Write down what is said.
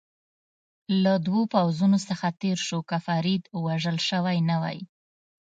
له دوو پوځونو څخه تېر شو، که فرید وژل شوی نه وای.